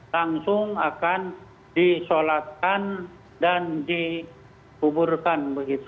langsung akan disolatkan dan dikuburkan